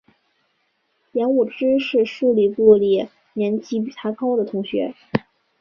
杨武之是数理部里年级比他高的同学。